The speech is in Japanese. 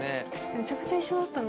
めちゃくちゃ一緒だったね。